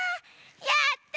やった！